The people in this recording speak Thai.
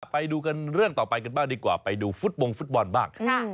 ไปดูกันเรื่องต่อไปกันบ้างดีกว่าไปดูฟุตบงฟุตบอลบ้าง